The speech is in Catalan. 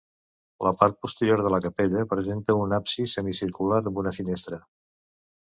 La part posterior de la capella presenta un absis semicircular amb una finestra.